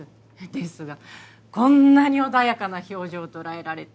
ですがこんなに穏やかな表情を捉えられて。